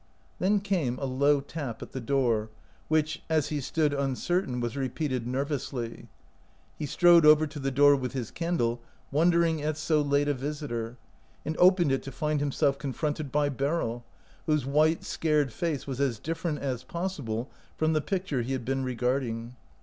Then came a low tap at the door, which, as he stood uncertain, was repeated ner vously. He strode over to the door with his candle, wondering at so late a visitor, and opened it to find himself, confronted by Beryl, whose white, scared face was as dif ferent as possible from the picture he had been regarding.